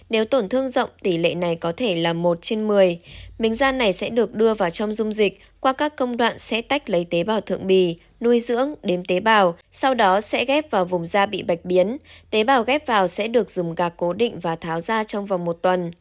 nếu tổn thương rộng tỷ lệ này có thể là một trên một mươi miếng da này sẽ được đưa vào trong dung dịch qua các công đoạn sẽ tách lấy tế bào thượng bì nuôi dưỡng đếm tế bào sau đó sẽ ghép vào vùng da bị bạch biến tế bào ghép vào sẽ được dùng gạc cố định và tháo ra trong vòng một tuần